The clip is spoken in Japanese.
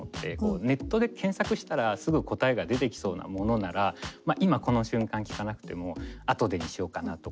ネットで検索したらすぐ答えが出てきそうなものなら今この瞬間聞かなくても「あとで」にしようかなとか。